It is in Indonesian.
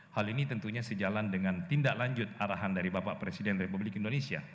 hal ini tentunya sejalan dengan tindak lanjut arahan dari bapak presiden republik indonesia